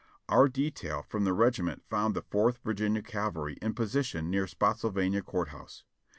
Our detail from the regiment found the Fourth Virginia Cavalry in position near Spottsylvania Court House.